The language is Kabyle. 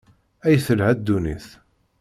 Ay telha ddunit!